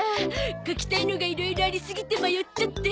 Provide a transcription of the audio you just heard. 描きたいのがいろいろありすぎて迷っちゃって。